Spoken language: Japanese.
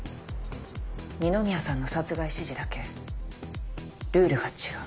二宮さんの殺害指示だけルールが違う。